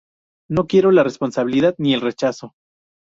No quiero la responsabilidad ni el rechazo.